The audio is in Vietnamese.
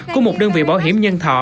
của một đơn vị bảo hiểm nhân thọ